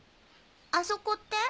あそこって？